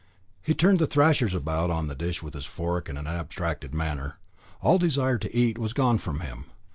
He turned the rashers about on the dish with his fork in an abstracted manner. All desire to eat was gone from him.